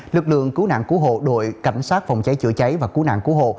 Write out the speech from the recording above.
lực lượng cứu nạn cứu hộ đội cảnh sát phòng cháy chữa cháy và cứu nạn cứu hộ